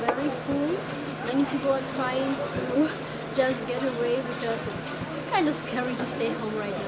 karena agak menakutkan untuk tinggal di rumah sekarang